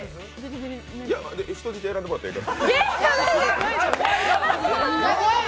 人質選んでもらっていい。